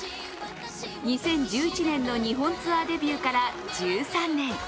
２０１１年の日本ツアーデビューから１３年。